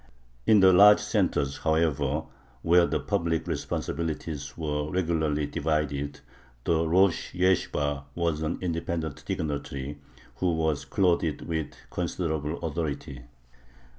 In the large centers, however, where the public responsibilities were regularly divided, the rosh yeshibah was an independent dignitary, who was clothed with considerable authority.